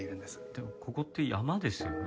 でもここって山ですよね？